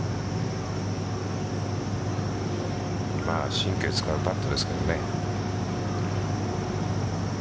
神経使うパットですけどね。